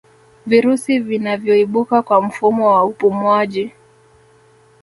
virusi vinavyoibuka kwa mfumo wa upumuwaji